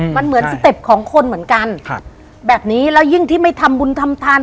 มันเหมือนสเต็ปของคนเหมือนกันครับแบบนี้แล้วยิ่งที่ไม่ทำบุญทำทาน